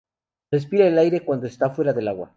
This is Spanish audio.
Respira el aire cuando está fuera del agua.